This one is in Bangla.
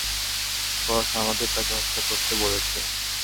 বস আমাদের তাকে হত্যা করতে বলেছে।